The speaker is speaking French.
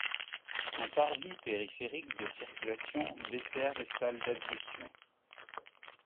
Un parvis périphérique de circulation dessert les salles d'ablutions.